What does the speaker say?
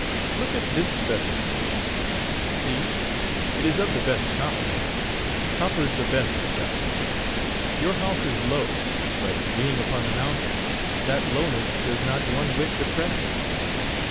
Look at this specimen one? See: it is of the best of copper. Copper's the best conductor. Your house is low; but being upon the mountains, that lowness does not one whit depress it.